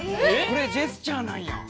これジェスチャーなんや！